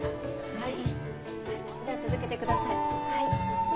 はい。